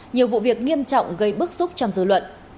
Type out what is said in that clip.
nhiều vụ việc nghiêm trọng gây bức xúc trong dư luận